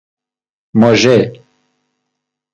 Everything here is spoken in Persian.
مژه